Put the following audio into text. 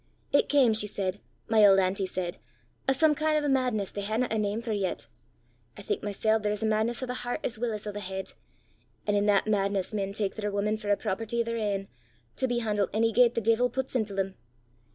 It cam, she said my auld auntie said o' some kin' o' madness they haena a name for yet. I think mysel' there's a madness o' the hert as weel 's o' the heid; an' i' that madness men tak their women for a property o' their ain, to be han'led ony gait the deevil pits intil them.